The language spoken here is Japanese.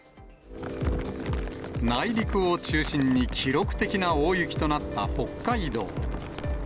内陸を中心に記録的な大雪となった北海道。